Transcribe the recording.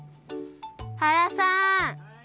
原さん！